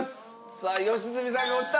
さあ良純さんが押した！